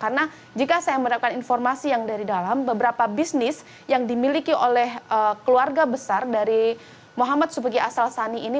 karena jika saya mendapatkan informasi yang dari dalam beberapa bisnis yang dimiliki oleh keluarga besar dari muhammad sebagai asal sani ini